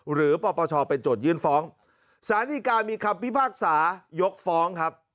หรือปรประชาวเป็นจดยื่นฟ้องสารนิการมีคำพิพากษายกฟ้องครับ